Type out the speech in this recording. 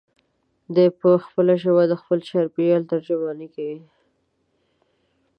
دی په خپله ژبه د خپل چاپېریال ترجماني کوي.